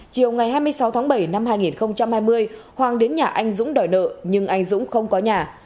chiều ngày hai mươi sáu tháng bảy năm hai nghìn hai mươi hoàng đến nhà anh dũng đòi nợ nhưng anh dũng không có nhà